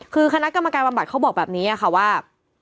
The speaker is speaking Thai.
คือคณะกรรมการบำบัดเขาบอกแบบนี้ค่ะว่า